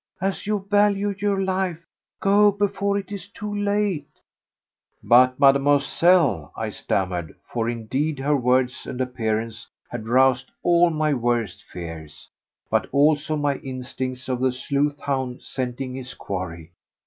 As you value your life, go before it is too late!" "But, Mademoiselle," I stammered; for indeed her words and appearance had roused all my worst fears, but also all my instincts of the sleuth hound scenting his quarry.